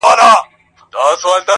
همکلتور دے هم حيا ده هم ښکلا ده